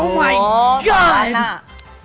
โอ้มายก็อด